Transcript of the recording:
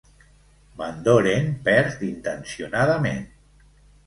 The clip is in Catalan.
Van Doren perd intencionadament.